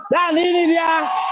dan ini dia